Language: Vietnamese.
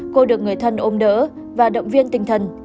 cô được người thân ôm đỡ và động viên tinh thần